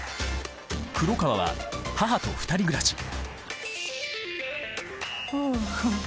黒川は母と２人暮らしああ。